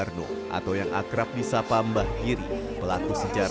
indonesia adalah indah sekali